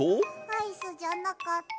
アイスじゃなかった。